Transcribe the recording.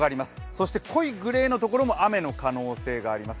そしてこいグレ−のところも雨の可能性があります。